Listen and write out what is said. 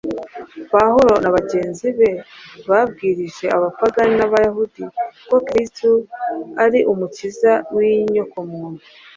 Pawulo na bagenzi be babwirije Abapagani n’Abayahudi ko Kristo ari Umukiza w’inyokomuntu